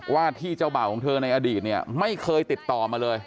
ว่าที่เจ้าบ่าวของเธอในอดีตเนี่ยไม่เคยติดต่อมาเลย